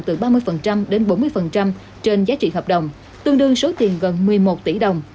từ ba mươi đến bốn mươi trên giá trị hợp đồng tương đương số tiền gần một mươi một tỷ đồng